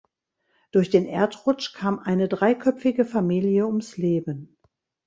Durch den Erdrutsch kam eine dreiköpfige Familie ums Leben.